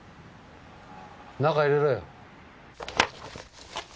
中入れろよ。